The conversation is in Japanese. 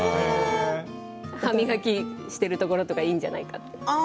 歯磨きしているところとかいいんじゃないかって。